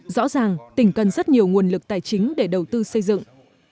rõ ràng tỉnh cần rất nhiều nguồn lực tài chính để đầu tư xây dựng